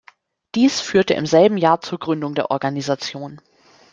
Dies führte im selben Jahr zur Gründung der Organisation.